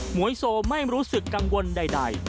วยโซไม่รู้สึกกังวลใด